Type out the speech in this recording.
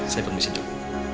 saya permisi dong